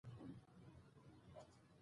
موږ باید د ناسم دودونو مخه ونیسو.